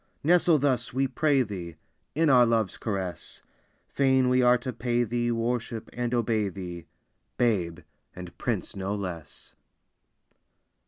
Nestle thus, we pray thee, In our love's caress; Fain we are to pay thee Worship, and obey thee, Babe, and Prince no less!